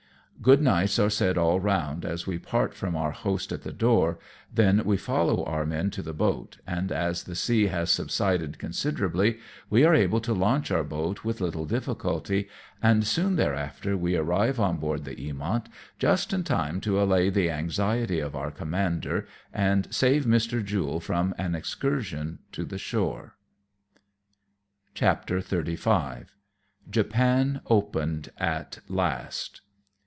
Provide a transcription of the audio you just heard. Good nights are said all round, as we part from our host at the door ; then we follow our men to the boat, and, as the sea has subsided. coasiderably, we are able to launch our boat with little difficulty, and soon there after we arrive on board the Eamoni, just in time to allay the anxiety of our commander, and save Mr. Jule from an excursion to the shore. T 2 CHAPTER XXXV JAPAN OPENED AT LAST.